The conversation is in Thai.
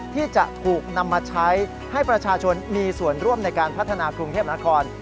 ที่จะถูกนำมาใช้ให้ประชาชนมีส่วนร่วมในการพัฒนากรุงเทพนคร